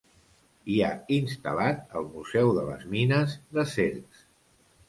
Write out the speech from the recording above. Hi ha instal·lat el Museu de les Mines de Cercs.